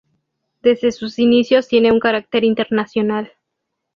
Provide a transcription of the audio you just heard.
Desde sus inicios tiene un carácter internacional.